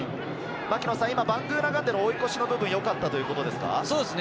今、バングーナガンデの追い越しの部分はよかったということですか？